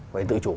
phải tự chủ